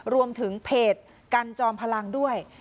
รวมถึงเพจกันจอมพลังด้วย